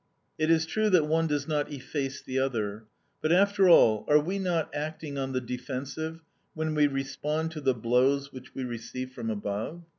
"It is true that one does not efface the other; but, after all, are we not acting on the defensive when we respond to the blows which we receive from above?